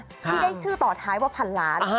ที่ได้ชื่อต่อท้ายว่าพันล้าน